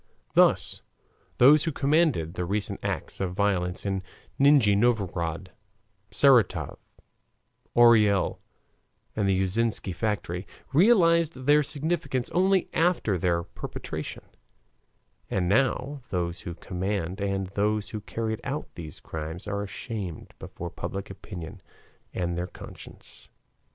Thus those who commanded the recent acts of violence in Nijni Novgorod, Saratov, Orel, and the Yuzovsky factory realized their significance only after their perpetration, and now those who commanded and those who carried out these crimes are ashamed before public opinion and their conscience.